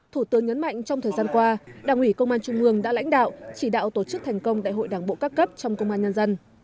thủ tướng nhấn mạnh trong thời gian qua đảng ủy công an trung ương đã lãnh đạo chỉ đạo tổ chức thành công đại hội đảng bộ các cấp trong công an nhân dân